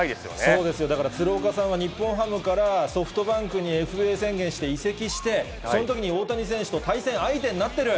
そうですよ、だから鶴岡さんは日本ハムからソフトバンクにＦＡ宣言して、移籍して、そのときに大谷選手と対戦相手になってる。